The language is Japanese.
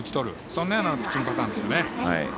そんなようなピッチングパターンですね。